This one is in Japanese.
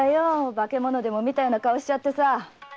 化け物でも見たような顔しちゃってさ。